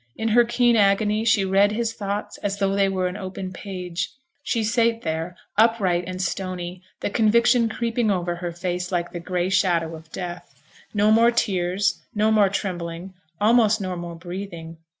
In her keen agony she read his thoughts as though they were an open page; she sate there, upright and stony, the conviction creeping over her face like the grey shadow of death. No more tears, no more trembling, almost no more breathing.